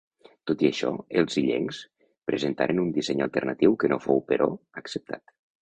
Tot i això, els illencs presentaren un disseny alternatiu que no fou però, acceptat.